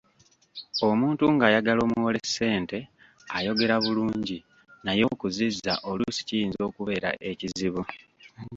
Omuntu ng’ayagala omuwole ssente ayogera bulungi naye okuzizza oluusi kiyinza okubeera ekizibu.